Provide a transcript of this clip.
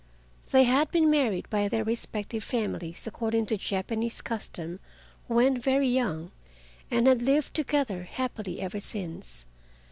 They had been married by their respective families according to Japanese custom when very young, and had lived together happily ever since.